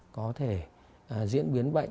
có thể diễn biến bệnh